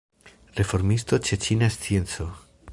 Reformisto de ĉina scienco.